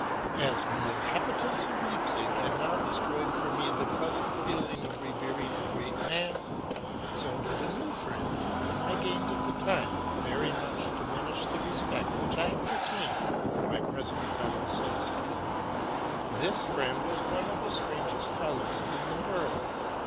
As the inhabitants of Leipzig had now destroyed for me the pleasant feeling of revering a great man ; so did a new friend, whom I gained at the time, very much diminish the respect which I gntertained for my present fellow citizens. This friend was one of the strangest fellows in the world.